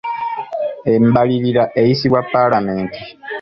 Embalirira eyisibwa paalamenti.